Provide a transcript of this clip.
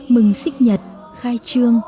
mừng xích nhật khai trương